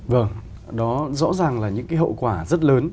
vâng đó rõ ràng là những cái hậu quả rất lớn